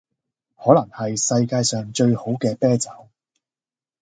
可能系世界上最好嘅啤酒